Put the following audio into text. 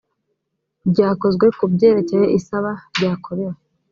ryakozwe ku byerekeye isaba ryakorewe